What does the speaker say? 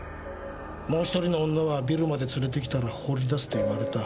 もう１人の女はビルまで連れてきたら放り出せと言われた。